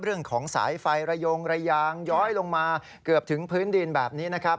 เรื่องของสายไฟระยงระยางย้อยลงมาเกือบถึงพื้นดินแบบนี้นะครับ